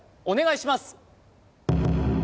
お願いします